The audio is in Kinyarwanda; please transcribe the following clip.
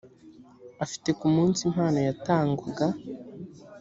afite ku munsi impano yatangwaga